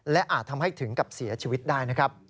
และอาจทำให้ถึงกับเสียชีวิตได้นะครับ